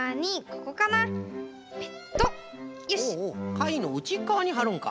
かいのうちっかわにはるのか。